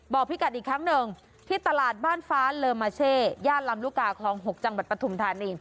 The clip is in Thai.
พี่กัดอีกครั้งหนึ่งที่ตลาดบ้านฟ้าเลอมาเช่ย่านลำลูกกาคลอง๖จังหวัดปฐุมธานี